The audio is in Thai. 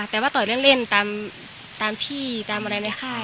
หมายถึงว่าต่อยเล่นตามพี่ตามอะไรในค่าย